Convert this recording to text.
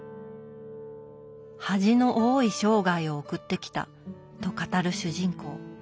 「恥の多い生涯を送って来た」と語る主人公。